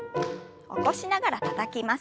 起こしながらたたきます。